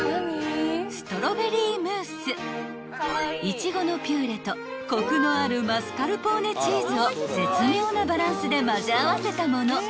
［イチゴのピューレとコクのあるマスカルポーネチーズを絶妙なバランスで混ぜ合わせたもの］